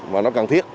và nó cần thiết